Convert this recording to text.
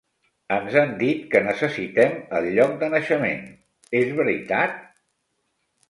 Ens han dit que necessitem el lloc de naixement, és veritat?